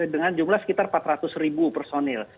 dengan jumlah sekitar empat ratus ribu personil